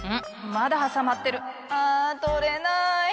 まだはさまってるあ取れない！